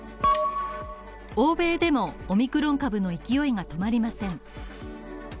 欧米でもオミクロン株の勢いが止まりません。